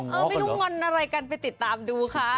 ไม่รู้งอนอะไรกันไปติดตามดูค่ะ